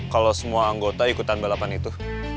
kalau semua anggota ikutan balapan itu